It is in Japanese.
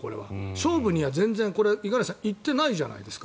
勝負には全然、五十嵐さん行ってないじゃないですか。